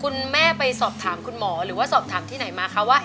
คุณแม่ไปสอบถามคุณหมอหรือว่าสอบถามที่ไหนมาคะว่า